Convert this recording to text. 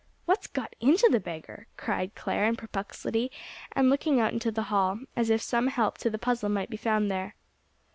"What's got into the beggar?" cried Clare in perplexity, and looking out into the hall, as if some help to the puzzle might be found there.